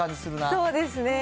そうですね。